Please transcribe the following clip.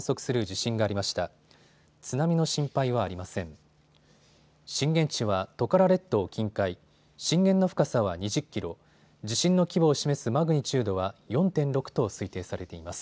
震源地はトカラ列島近海、震源の深さは２０キロ、地震の規模を示すマグニチュードは４．６と推定されています。